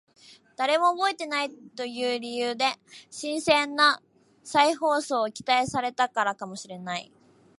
誰も覚えていないという理由で新鮮な再放送を期待されたからかもしれない